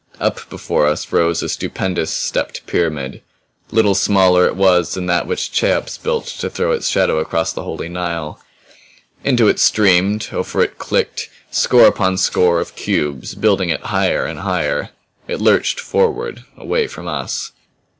Up before us rose a stupendous, stepped pyramid; little smaller it was than that which Cheops built to throw its shadows across holy Nile. Into it streamed, over it clicked, score upon score of cubes, building it higher and higher. It lurched forward away from us.